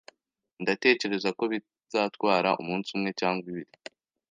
Ndatekereza ko bizatwara umunsi umwe cyangwa ibiri.